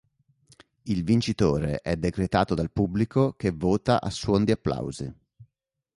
Il vincitore è decretato dal pubblico che vota a suon di applausi.